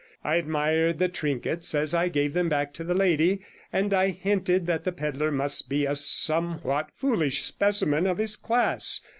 I admired the trinkets as I gave them back to the lady, and I hinted that the pedlar must be a somewhat foolish specimen of his class.